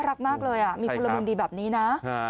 รักมากเลยมีพลเมืองดีแบบนี้นะ